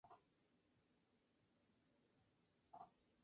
A ellos unió Chris Cornell en el escenario para interpretar el tema.